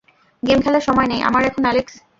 Game খেলার সময় নেই আমার এখন, অ্যালেক্স!